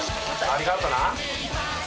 ありがとうな。